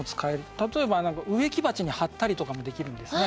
例えば植木鉢に貼ったりとかもできるんですね。